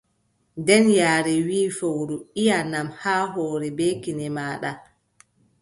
Nden yaare wii fowru: iʼanam haa hoore bee kine maaɗa.